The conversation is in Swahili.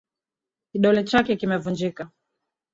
Kidole chake kimevunjika